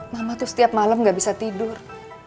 mama tuh setiap malam gak bisa tidur